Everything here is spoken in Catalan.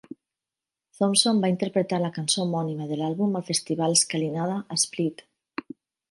Thompson va interpretar la cançó homònima de l'àlbum al festival Skalinada, a Split.